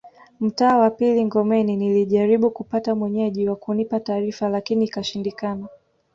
Mtaa wa pili Ngomeni nilijaribu kupata Mwenyeji wa kunipa taarifa lakini ikashindikana